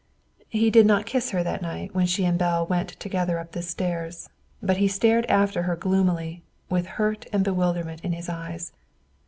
He did not kiss her that night when she and Belle went together up the stairs. But he stared after her gloomily, with hurt and bewilderment in his eyes.